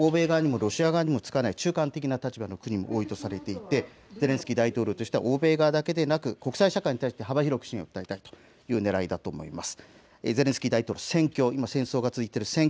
こうした国々の中には欧米側にもロシア側にもつかない中間的な立場の国も多いとされていてゼレンスキー大統領としては欧米側だけでなく国際社会に対して幅広く支援を訴えたいというねらいだと思います。